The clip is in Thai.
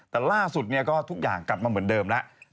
แต่ล่าสุดก็ทุกอย่างกลับมาเหมือนเดิมแล้ว